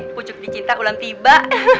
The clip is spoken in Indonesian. pujuk di cinta ulang tiba